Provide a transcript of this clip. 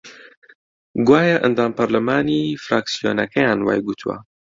گوایە ئەندام پەرلەمانی فراکسیۆنەکەیان وای گوتووە